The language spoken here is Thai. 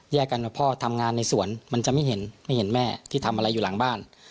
กันว่าพ่อทำงานในสวนมันจะไม่เห็นไม่เห็นแม่ที่ทำอะไรอยู่หลังบ้าน